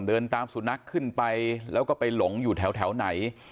เดินตามสุนัขขึ้นไปแล้วก็ไปหลงอยู่แถวไหน